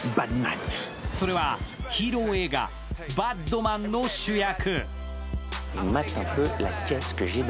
それは、ヒーロー映画「バッドマン」の主役。